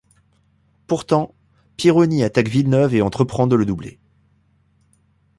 Pourtant, Pironi attaque Villeneuve et entreprend de le doubler.